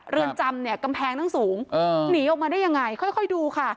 เรือนจำเนี่ยกำแพงทั้งสูงหนีออกมาได้ยังไงค่อยดูค่ะ